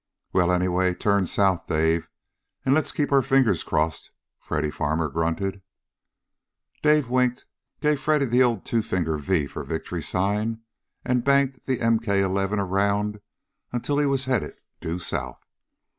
"Well, anyway, turn south, Dave, and let's keep our fingers crossed," Freddy Farmer grunted. Dave winked, gave Freddy the old two finger V for victory sign, and banked the MK 11 around until he was headed due south.